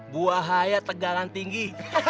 buah haya tegangan tinggi